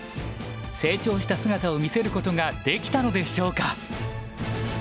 成長した姿を見せることができたのでしょうか。